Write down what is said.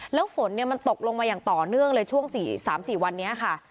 แล้วฝนมันตกลงมาอย่างต่อเนื่องเลยช่วง๓๔วันนี้ค่ะ